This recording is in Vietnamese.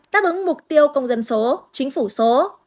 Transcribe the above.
đáp ứng mục tiêu công dân số chính phủ số